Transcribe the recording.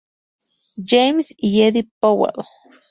James y Eddie Powell.